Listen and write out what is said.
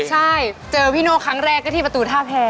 ใช่เจอพี่โน่ครั้งแรกก็ที่ประตูท่าแพร